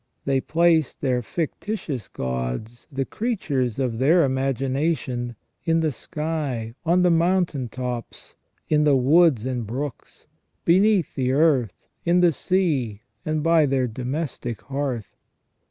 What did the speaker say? They placed their fictitious gods, the creatures of their imagination, in the sky, on the mountain tops, in the woods and brooks, beneath the earth, in the sea, and by their domestic hearth.